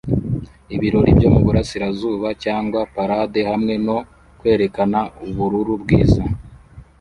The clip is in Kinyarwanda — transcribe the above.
Ibirori byo muburasirazuba cyangwa parade hamwe no kwerekana ubururu bwiza